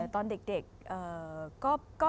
ตอนเด็ก